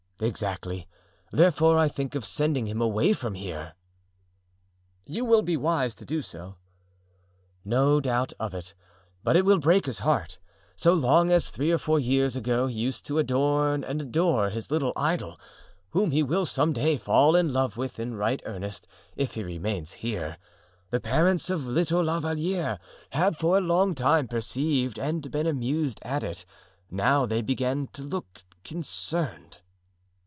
"Exactly; therefore I think of sending him away from here." "You will be wise to do so." "No doubt of it; but it will break his heart. So long as three or four years ago he used to adorn and adore his little idol, whom he will some day fall in love with in right earnest if he remains here. The parents of little La Valliere have for a long time perceived and been amused at it; now they begin to look concerned."